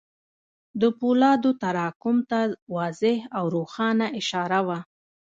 د پولادو تراکم ته واضح او روښانه اشاره وه.